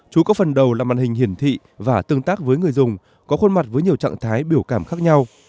chú có phần đầu là màn hình hiển thị và tương tác với người dùng có khuôn mặt với nhiều trạng thái biểu cảm khác nhau